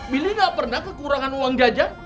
billy gak pernah kekurangan uang diajak